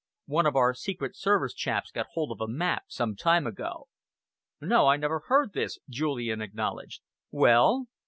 One of our secret service chaps got hold of a map some time ago." "No, I never heard this," Julian acknowledged. "Well?"